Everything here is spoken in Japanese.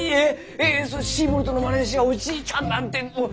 ええっシーボルトの愛弟子がおじいちゃんなんてもう！